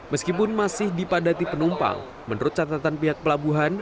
meskipun masih dipadati penumpang menurut catatan pihak pelabuhan